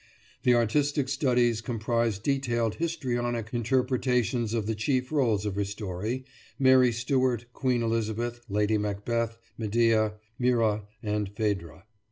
The Artistic Studies comprise detailed histrionic interpretations of the chief roles of Ristori: Mary Stuart, Queen Elizabeth, Lady Macbeth, Medea, Myrrha and Phedra.